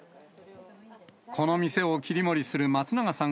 この店を切り盛りする松永さん